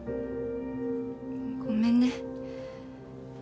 ごめんね。